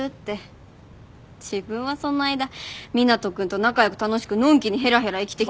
自分はその間湊斗君と仲良く楽しくのんきにへらへら生きて。